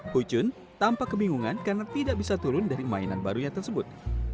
pucun tampak kebingungan karena tidak bisa turun dari mainan barunya tersebut